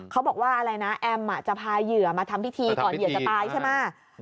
เขาบอกว่าอะไรนะแอมจะพาเหยื่อมาทำพิธีก่อนเหยื่อจะตายใช่ไหม